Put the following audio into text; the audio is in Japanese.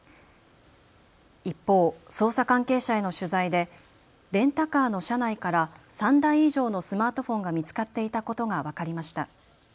一方、捜査関係者への取材でレンタカーの車内から３台以上のスマートフォンが見つかっていたことが分かりました。